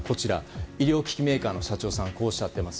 医療機器メーカーの社長さんはこうおっしゃっています。